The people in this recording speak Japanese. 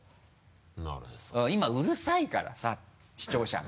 今うるさいからさ視聴者が。